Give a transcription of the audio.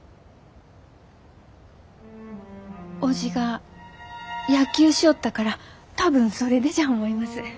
叔父が野球しょうったから多分それでじゃ思います。